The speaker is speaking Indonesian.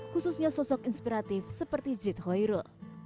khususnya sosok inspiratif seperti jit hoirul